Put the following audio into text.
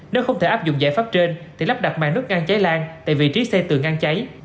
nếu không thể áp dụng giải pháp trên thì lắp đặt mạng nước ngang cháy lan tại vị trí xe tường ngang cháy